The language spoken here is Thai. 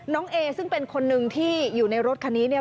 น้องเอซึ่งเป็นคนหนึ่งที่อยู่ในรถคันนี้